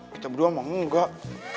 kita berdua emang enggak